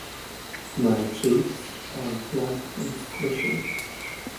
My cheeks are plump and squishy.